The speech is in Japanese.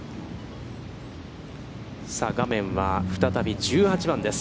さあ、画面は再び１８番です。